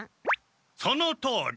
そのとおり。